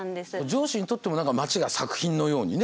城主にとっても町が作品のようにね。